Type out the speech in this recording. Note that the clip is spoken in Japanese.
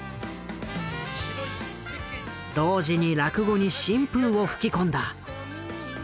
同時に落語に新風を吹き込んだ。